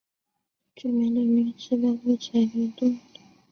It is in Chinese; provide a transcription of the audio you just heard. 著名的例子包括彩云邨等。